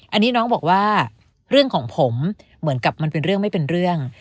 อันนี้น้องบอกว่าเรื่องของผมเหมือนกับมันเป็นเรื่องไม่เป็นเรื่อง